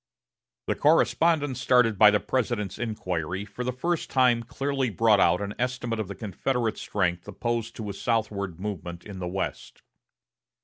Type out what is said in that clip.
The correspondence started by the President's inquiry for the first time clearly brought out an estimate of the Confederate strength opposed to a southward movement in the West.